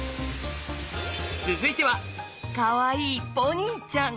続いてはかわいいポニーちゃん。